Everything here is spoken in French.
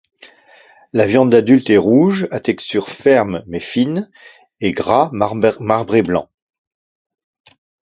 La viande d'adultes est rouge à texture ferme mais fine et gras marbré blanc.